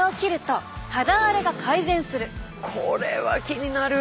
これは気になる。